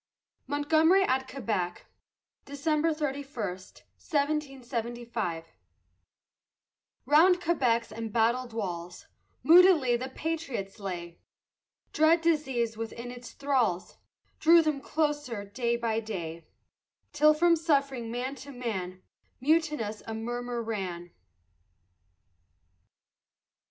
MONTGOMERY AT QUEBEC [December 31, 1775] Round Quebec's embattled walls Moodily the patriots lay; Dread disease within its thralls Drew them closer day by day; Till from suffering man to man, Mutinous, a murmur ran.